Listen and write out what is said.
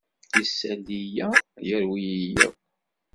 Isali-a yerwi-yi akk.